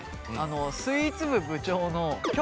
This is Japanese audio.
スイーツ部部長のきょ